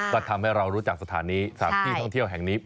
ก็ทำให้เรารู้จักสถานีสถานที่ท่องเที่ยวแห่งนี้